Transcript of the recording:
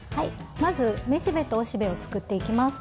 まずめしべとおしべを作っていきます。